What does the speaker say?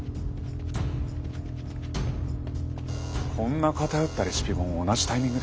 こんな偏ったレシピ本を同じタイミングで？